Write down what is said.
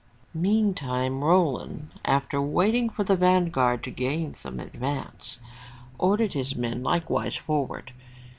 Meantime, Roland, after waiting for the vanguard to gain some advance, ordered his men likewise forward.